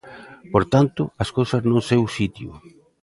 Polo tanto, as cousas no seu sitio.